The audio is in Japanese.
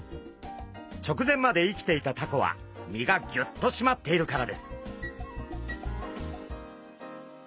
直前まで生きていたタコは身がぎゅっとしまっているからです。